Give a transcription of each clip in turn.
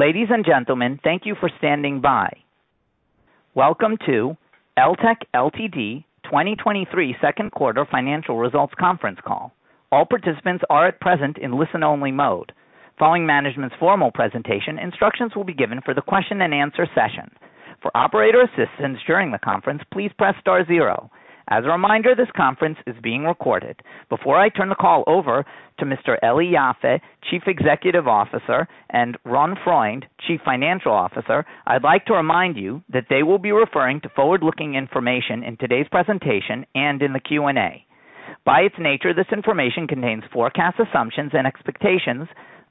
Ladies and gentlemen, thank you for standing by. Welcome to Eltek Ltd. 2023 second quarter financial results conference call. All participants are at present in listen-only mode. Following management's formal presentation, instructions will be given for the question and answer session. For operator assistance during the conference, please press star zero. As a reminder, this conference is being recorded. Before I turn the call over to Mr. Eli Yaffe, Chief Executive Officer, and Ron Freund, Chief Financial Officer, I'd like to remind you that they will be referring to forward-looking information in today's presentation and in the Q&A. By its nature, this information contains forecast assumptions and expectations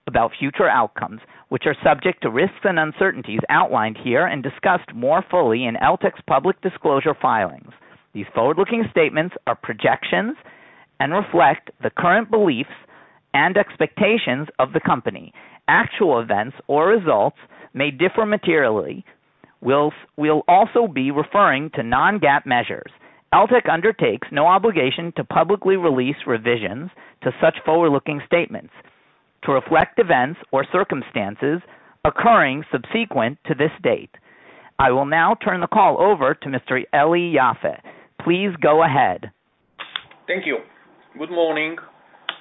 about future outcomes, which are subject to risks and uncertainties outlined here and discussed more fully in Eltek's public disclosure filings. These forward-looking statements are projections and reflect the current beliefs and expectations of the company. Actual events or results may differ materially. We'll, we'll also be referring to non-GAAP measures. Eltek undertakes no obligation to publicly release revisions to such forward-looking statements to reflect events or circumstances occurring subsequent to this date. I will now turn the call over to Mr. Eli Yaffe. Please go ahead. Thank you. Good morning.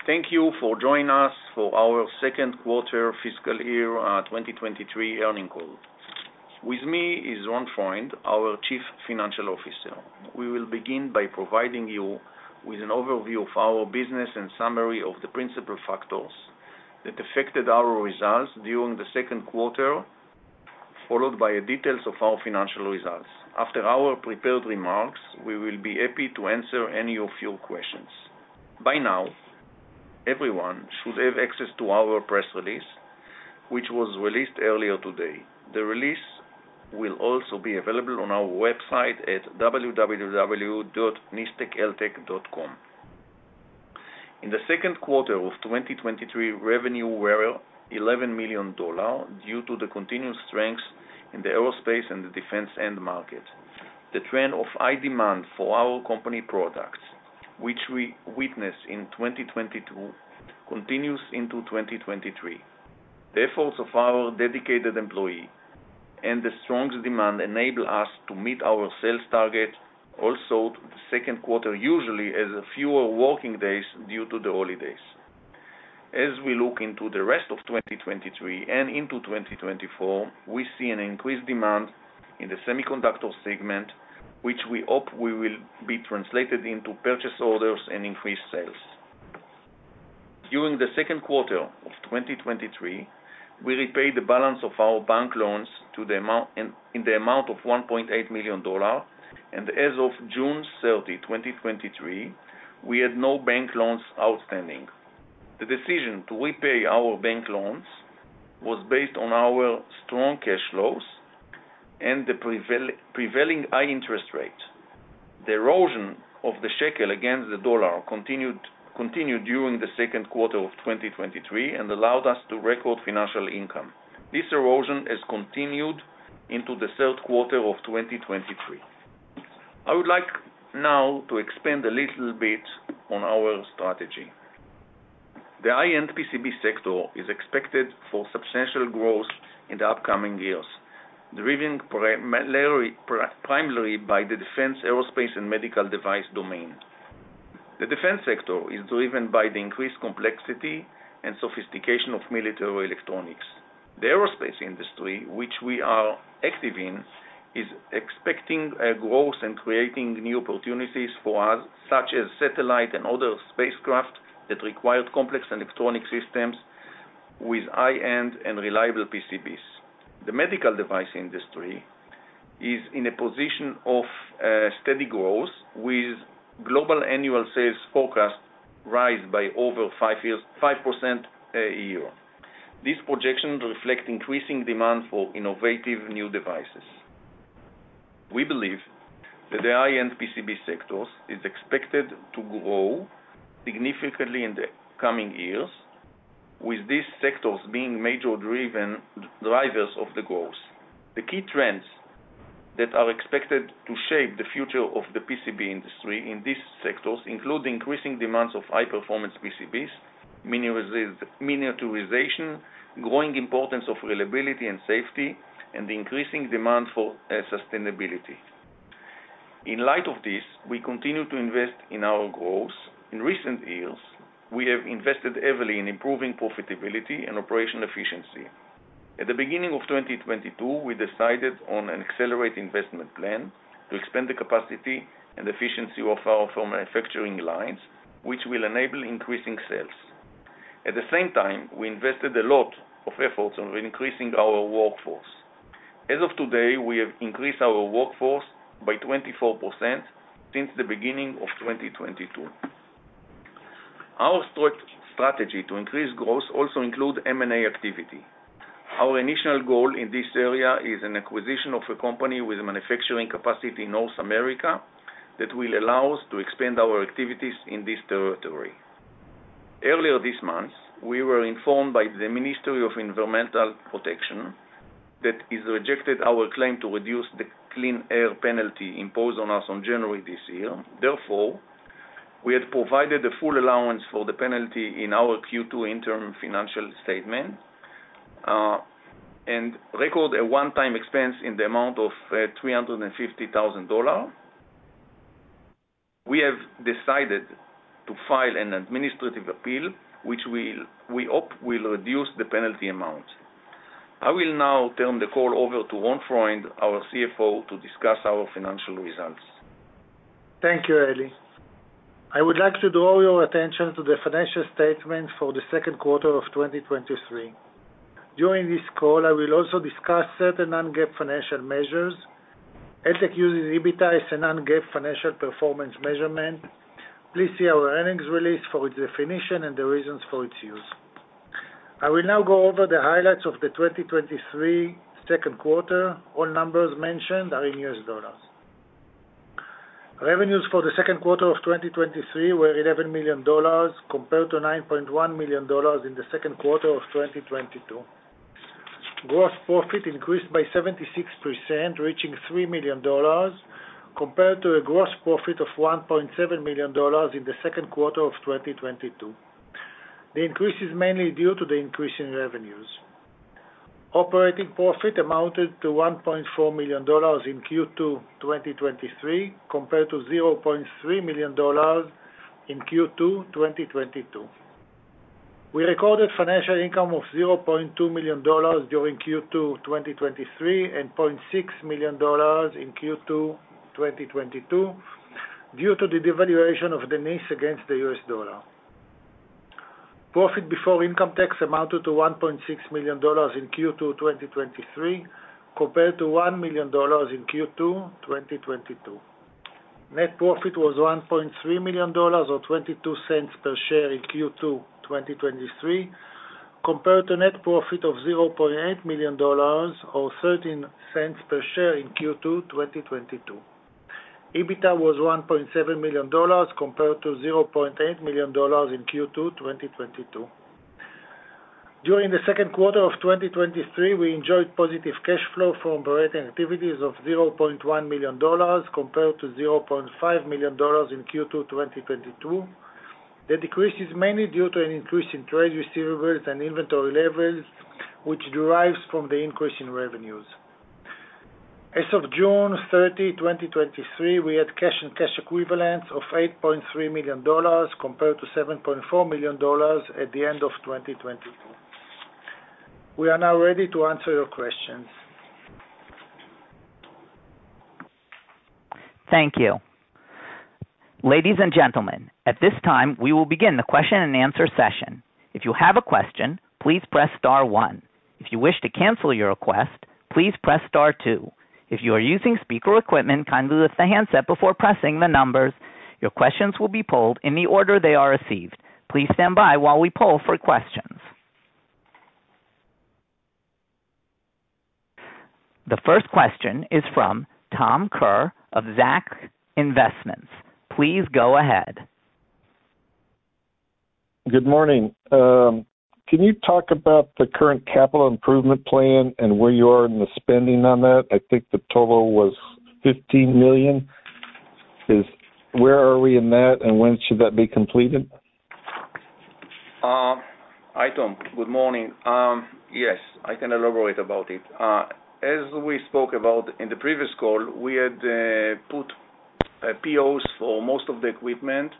Thank you for joining us for our second quarter fiscal year 2023 earnings call. With me is Ron Freund, our Chief Financial Officer. We will begin by providing you with an overview of our business and summary of the principal factors that affected our results during the second quarter, followed by the details of our financial results. After our prepared remarks, we will be happy to answer any of your questions. By now, everyone should have access to our press release, which was released earlier today. The release will also be available on our website at www.nisteceltek.com. In the second quarter of 2023, revenue were $11 million due to the continued strength in the aerospace and the defense end market. The trend of high demand for our company products, which we witnessed in 2022, continues into 2023. The efforts of our dedicated employee and the strong demand enable us to meet our sales target. The second quarter, usually has a fewer working days due to the holidays. As we look into the rest of 2023 and into 2024, we see an increased demand in the semiconductor segment, which we hope will be translated into purchase orders and increased sales. During the second quarter of 2023, we repaid the balance of our bank loans in the amount of $1.8 million, and as of June 30, 2023, we had no bank loans outstanding. The decision to repay our bank loans was based on our strong cash flows and the prevailing high interest rate. The erosion of the shekel against the U.S. dollar continued during the second quarter of 2023 and allowed us to record financial income. This erosion has continued into the third quarter of 2023. I would like now to expand a little bit on our strategy. The high-end PCB sector is expected for substantial growth in the upcoming years, driven primarily by the defense, aerospace, and medical device domain. The defense sector is driven by the increased complexity and sophistication of military electronics. The aerospace industry, which we are active in, is expecting a growth and creating new opportunities for us, such as satellite and other spacecraft that require complex electronic systems with high-end and reliable PCBs. The medical device industry is in a position of steady growth, with global annual sales forecast rise by over 5% a year. These projections reflect increasing demand for innovative new devices. We believe that the high-end PCB sectors is expected to grow significantly in the coming years, with these sectors being major drivers of the growth. The key trends that are expected to shape the future of the PCB industry in these sectors include increasing demands of high-performance PCBs, miniaturization, growing importance of reliability and safety, and the increasing demand for sustainability. In light of this, we continue to invest in our growth. In recent years, we have invested heavily in improving profitability and operational efficiency. At the beginning of 2022, we decided on an accelerated investment plan to expand the capacity and efficiency of our manufacturing lines, which will enable increasing sales. At the same time, we invested a lot of efforts on increasing our workforce. As of today, we have increased our workforce by 24% since the beginning of 2022. Our strategy to increase growth also include M&A activity. Our initial goal in this area is an acquisition of a company with a manufacturing capacity in North America that will allow us to expand our activities in this territory. Earlier this month, we were informed by the Ministry of Environmental Protection that is rejected our claim to reduce the Clean Air Law penalty imposed on us on January this year. We had provided a full allowance for the penalty in our Q2 interim financial statement, and record a one-time expense in the amount of $350,000. We have decided to file an administrative appeal, which we hope will reduce the penalty amount. I will now turn the call over to Ron Freund, our CFO, to discuss our financial results. Thank you, Eli. I would like to draw your attention to the financial statement for the 2nd quarter of 2023. During this call, I will also discuss certain non-GAAP financial measures. Eltek uses EBITDA as a non-GAAP financial performance measurement. Please see our earnings release for its definition and the reasons for its use. I will now go over the highlights of the 2023 2nd quarter. All numbers mentioned are in U.S. dollars. Revenues for the 2nd quarter of 2023 were $11 million, compared to $9.1 million in the 2nd quarter of 2022. Gross profit increased by 76%, reaching $3 million, compared to a gross profit of $1.7 million in the 2nd quarter of 2022. The increase is mainly due to the increase in revenues. Operating profit amounted to $1.4 million in Q2 2023, compared to $0.3 million in Q2 2022. We recorded financial income of $0.2 million during Q2 2023, and $0.6 million in Q2 2022, due to the devaluation of the NIS against the U.S. dollar. Profit before income tax amounted to $1.6 million in Q2 2023, compared to $1 million in Q2 2022. Net profit was $1.3 million, or $0.22 per share in Q2 2023, compared to net profit of $0.8 million, or $0.13 per share in Q2 2022. EBITDA was $1.7 million, compared to $0.8 million in Q2 2022. During the second quarter of 2023, we enjoyed positive cash flow from operating activities of $0.1 million, compared to $0.5 million in Q2 2022. The decrease is mainly due to an increase in trade receivables and inventory levels, which derives from the increase in revenues. As of June 30, 2023, we had cash and cash equivalents of $8.3 million, compared to $7.4 million at the end of 2022. We are now ready to answer your questions. Thank you. Ladies and gentlemen, at this time, we will begin the question-and-answer session. If you have a question, please press star one. If you wish to cancel your request, please press star two. If you are using speaker equipment, kindly lift the handset before pressing the numbers. Your questions will be polled in the order they are received. Please stand by while we poll for questions. The first question is from Thomas Kerr of Zacks Investments. Please go ahead. Good morning. Can you talk about the current capital improvement plan and where you are in the spending on that? I think the total was $15 million. Where are we in that, and when should that be completed? Hi, Tom. Good morning. Yes, I can elaborate about it. As we spoke about in the previous call, we had put POs for most of the equipment,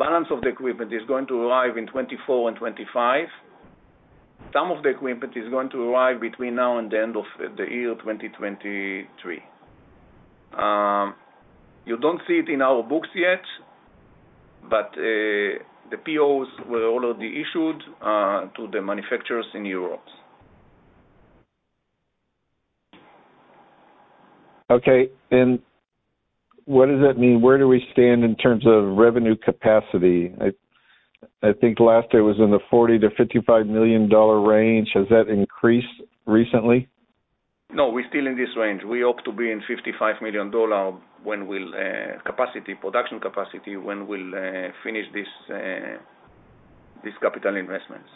and the balance of the equipment is going to arrive in 2024 and 2025. Some of the equipment is going to arrive between now and the end of the year 2023. You don't see it in our books yet, but the POs were already issued to the manufacturers in Europe. Okay, what does that mean? Where do we stand in terms of revenue capacity? I think last year was in the $40 million-$55 million range. Has that increased recently? No, we're still in this range. We hope to be in $55 million when we'll capacity, production capacity, when we'll finish this capital investments.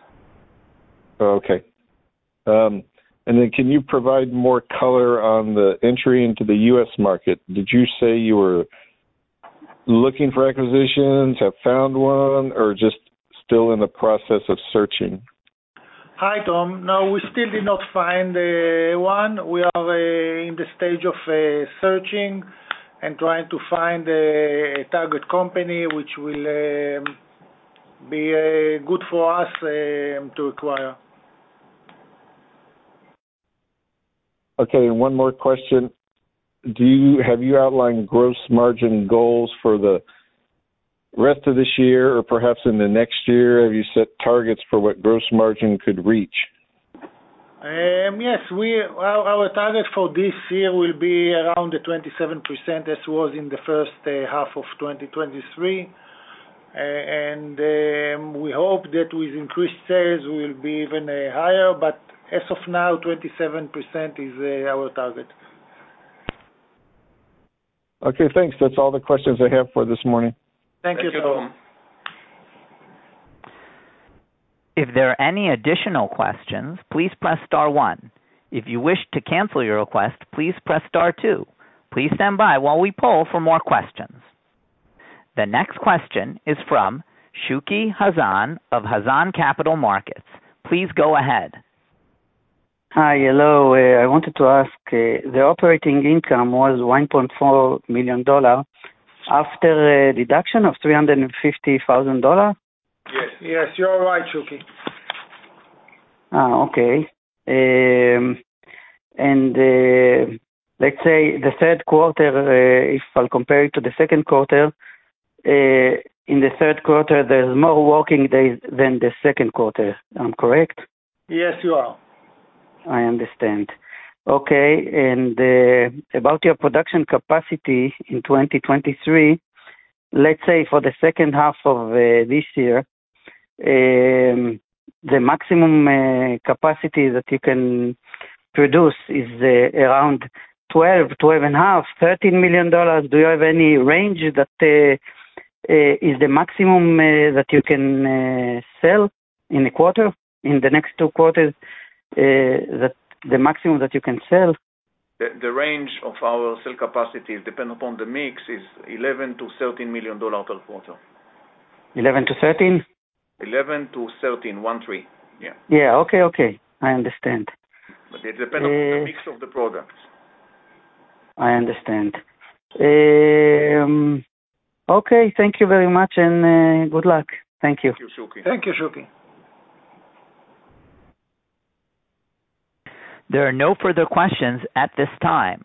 Oh, okay. Then can you provide more color on the entry into the U.S. market? Did you say you were looking for acquisitions, have found one, or just still in the process of searching? Hi, Tom. No, we still did not find one. We are in the stage of searching and trying to find a, a target company, which will be good for us to acquire. Okay, one more question. Have you outlined gross margin goals for the rest of this year or perhaps in the next year? Have you set targets for what gross margin could reach? Yes, our target for this year will be around the 27%, as was in the first half of 2023. We hope that with increased sales, we will be even higher, but as of now, 27% is our target. Okay, thanks. That's all the questions I have for this morning. Thank you, Tom. If there are any additional questions, please press star one. If you wish to cancel your request, please press star two. Please stand by while we poll for more questions. The next question is from Shuki Hazan of Hazan Capital Markets. Please go ahead. Hi. Hello. I wanted to ask, the operating income was $1.4 million after deduction of $350,000? Yes. Yes, you're right, Shuki. Okay. Let's say the third quarter, if I'll compare it to the second quarter, in the third quarter, there's more working days than the second quarter. I'm correct? Yes, you are. I understand. Okay. About your production capacity in 2023, let's say for the second half of this year, the maximum capacity that you can produce is around $12 million, $12.5 million, $13 million. Do you have any range that is the maximum that you can sell in a quarter, in the next 2 quarters, that the maximum that you can sell? The range of our sell capacity is dependent upon the mix, is $11 million-$13 million per quarter. 11-13? 11 to 13, 13. Yeah. Yeah. Okay, okay. I understand. It depends on the mix of the products. I understand. Okay, thank you very much, and, good luck. Thank you. Thank you, Shuki. Thank you, Shuki. There are no further questions at this time.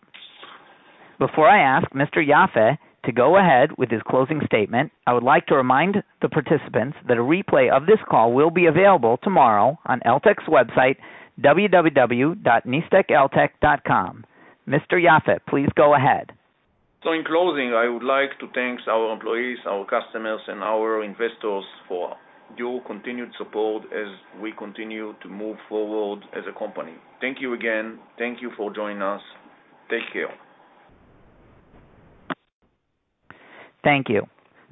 Before I ask Mr. Yaffe to go ahead with his closing statement, I would like to remind the participants that a replay of this call will be available tomorrow on Eltek's website, www.nisteceltek.com. Mr. Yaffe, please go ahead. In closing, I would like to thank our employees, our customers, and our investors for your continued support as we continue to move forward as a company. Thank you again. Thank you for joining us. Take care. Thank you.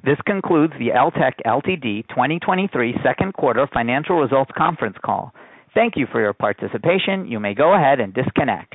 This concludes the Eltek Ltd. 2023 second quarter financial results conference call. Thank you for your participation. You may go ahead and disconnect.